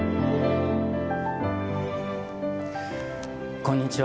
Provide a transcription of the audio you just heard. こんにちは。